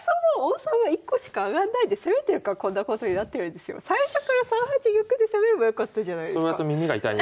変わんないしそもそも最初から３八玉で攻めればよかったじゃないですか。